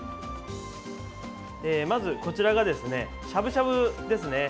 まず、こちらがしゃぶしゃぶです。